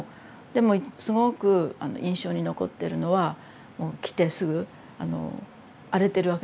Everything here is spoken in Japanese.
でもすごく印象に残ってるのはもう来てすぐ荒れてるわけですね心が。